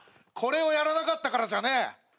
これをやらなかったからじゃねえ。